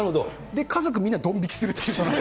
で、家族みんなでどん引きするっていう。